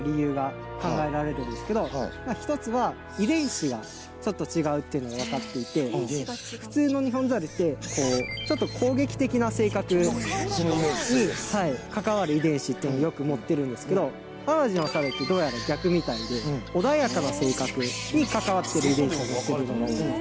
はいそれはまあはいまあ１つはっていうのが分かっていて遺伝子が違う普通のニホンザルってこうちょっと攻撃的な性格顔が怖い関わる遺伝子っていうのよく持っているんですけど淡路のサルってどうやら逆みたいでうん穏やかな性格に関わっている遺伝子を持ってるどこで分かれたの？